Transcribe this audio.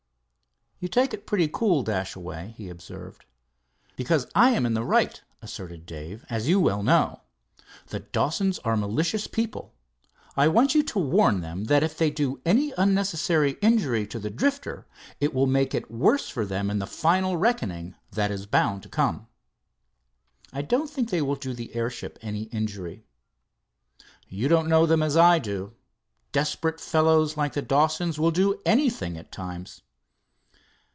"You take it pretty cool, Dashaway," he observed. "Because I am in the right," asserted Dave, "as you well know. The Dawsons are malicious people. I want you to warn them that if they do, any unnecessary injury to the Drifter, it will make it the worse for them in the final reckoning that is bound to come." "I don't think they will do the airship any injury." "You don't know them as I do. Desperate fellows like the Dawsons will do anything at times."